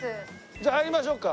じゃあ入りましょうか。